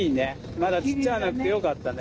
まだ散っちゃわなくてよかったね。